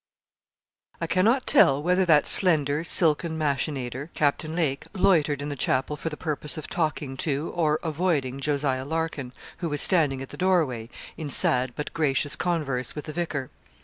I cannot tell whether that slender, silken machinator, Captain Lake, loitered in the chapel for the purpose of talking to or avoiding Jos. Larkin, who was standing at the doorway, in sad but gracious converse with the vicar.